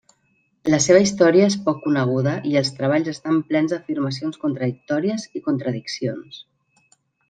La seva història és poc coneguda i els treballs estan plens d'afirmacions contradictòries i contradiccions.